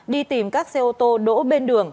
đi tìm các xe ô tô đỗ bên đường